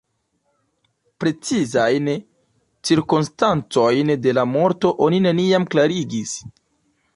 Precizajn cirkonstancojn de la morto oni neniam klarigis.